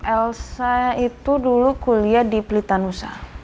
elsa itu dulu kuliah di plitanusa